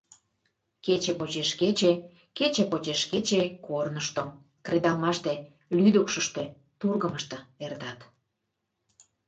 Кече почеш кече, кече почеш кече корнышто, кредалмаште, лӱдыкшыштӧ, тургымышто эртат...